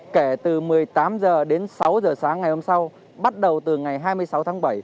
kể từ một mươi tám h đến sáu h sáng ngày hôm sau bắt đầu từ ngày hai mươi sáu tháng bảy